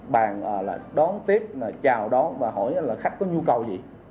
bàn là đón tiếp chào đón và hỏi là khách có nhu cầu gì